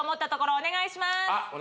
お願いします